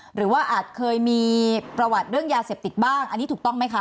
หรือว่าอาจเคยมีประวัติเรื่องยาเสพติดบ้างอันนี้ถูกต้องไหมคะ